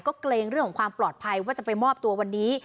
ก็เกรงเรื่องของความปลอดภัยว่าจะไปมอบตัววันนี้